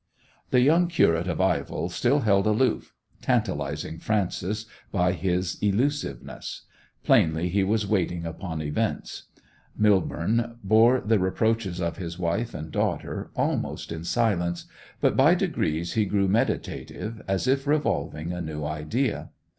The young curate of Ivell still held aloof, tantalizing Frances by his elusiveness. Plainly he was waiting upon events. Millborne bore the reproaches of his wife and daughter almost in silence; but by degrees he grew meditative, as if revolving a new idea.